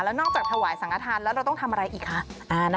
นอกจากถวายสังฆฐานแล้วเราต้องทำอะไรอีกคะ